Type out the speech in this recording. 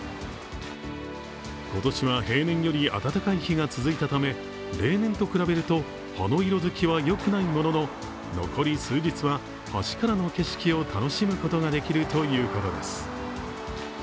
今年は平年より暖かい日が続いたため、例年と比べると葉の色づきはよくないものの、残り数日は橋からの景色を楽しむことができるということです。